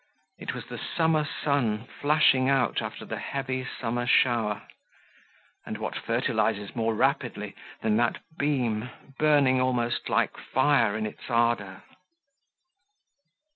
It was the summer sun flashing out after the heavy summer shower; and what fertilizes more rapidly than that beam, burning almost like fire in its ardour?